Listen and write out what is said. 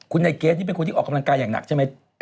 คุณนายเกดนี่เป็นคนที่ออกกำลังกายอย่างหนักใช่ไหม